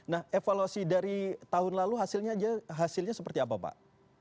nah evaluasi dari tahun lalu hasilnya aja hasilnya seperti apa pak